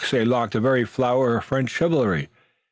St. Luc! The very flower of French chivalry!